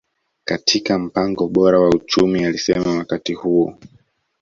katika mpango bora wa uchumi alisema wakati huo